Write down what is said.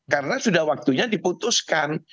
karena sudah waktunya diputuskan